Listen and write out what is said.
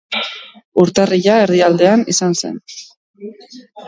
Urtarrila erdialdean izan zen.